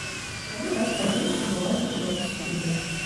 Калі раз пад вечар вылазе чорт з студні!